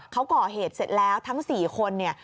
เขาก่อเหตุเสร็จแล้วทั้ง๔คนเนี่ย